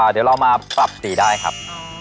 เดี๋ยวเรามาปรับสีได้ครับ